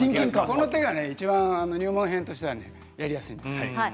この手がいちばん入門編としてはやりやすいんです。